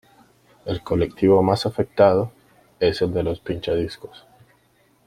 El colectivo más afectado es el de los pinchadiscos.